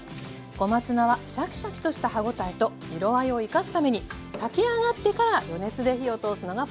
小松菜はシャキシャキとした歯応えと色合いを生かすために炊き上がってから余熱で火を通すのがポイントです。